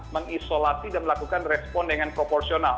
mengisolasi dan melakukan respon dengan proporsional